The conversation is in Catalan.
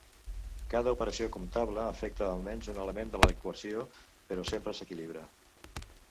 Cada operació comptable afecta al menys un element de l'equació, però sempre s'equilibra.